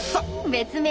別名